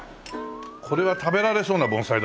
これは食べられそうな盆栽だね。